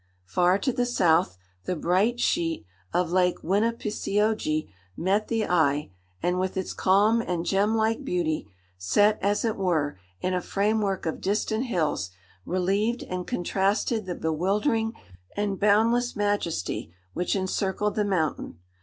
Far to the south, the bright sheet of Lake Winipiseogee met the eye, and with its calm and gem like beauty, set, as it were, in a frame work of distant hills, relieved and contrasted the bewildering and boundless majesty which encircled the mountain.